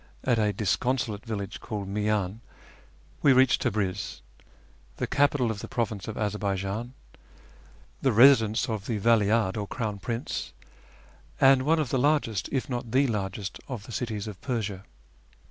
at a disconsolate village called Miyan, we reached Tabriz, the capital of the province of Azarbaijan, the residence of the Vali ahd, or Crown Prince, and one of the largest, if not the largest, of the cities of Persia.